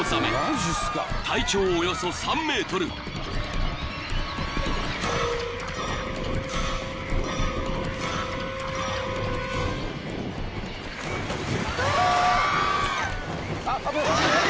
［体長およそ３ｍ］・あっ危ない！